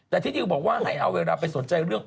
แต่ที่ดิวบอกว่าให้เอาเวลาไปสนใจเรื่อง